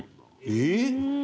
えっ！